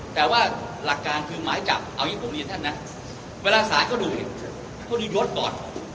แต่ว่าหลักการคือหมายจับเอาอย่างนี้ผมเรียนท่านนะเวลาสารก็ดูเนี่ยเขาดูยศก่อน